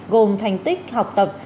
gồm thành tích học tập